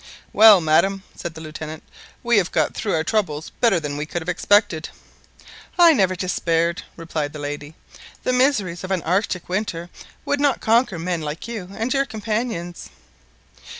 "Well, madam," said the Lieutenant, "we have got through our troubles better than we could have expected." "I never despaired," replied the lady. "The miseries of an Arctic winter would not conquer men like you and your companions."